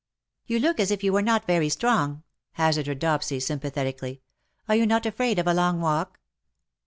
^^ You look as if you were not very strong/' 'hazarded Dopsy, sympathetically. '^ Are you not afraid of a long walk